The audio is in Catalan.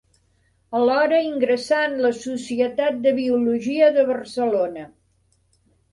Alhora ingressà en la Societat de Biologia de Barcelona.